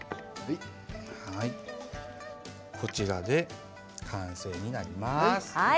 こちらで完成になります。